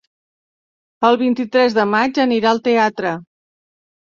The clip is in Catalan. El vint-i-tres de maig anirà al teatre.